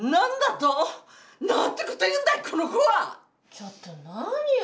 ちょっと何よ！